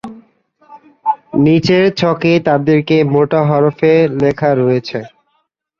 নিচের ছকে তাদেরকে মোটা হরফে লেখা রয়েছে।